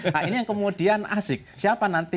nah ini yang kemudian asik siapa nanti